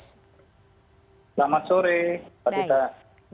selamat sore pak gita